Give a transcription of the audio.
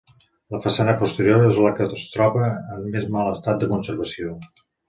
La façana posterior és la que es troba en més mal estat de conservació.